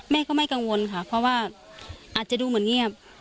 แม่ก็ไม่กังวลค่ะเพราะว่าอาจจะดูเหมือนเงียบ